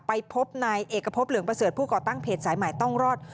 ไปพบนายเอกพบเหลืองประเสริฐผู้ก่อตั้งเพจสายใหม่ต้องรอด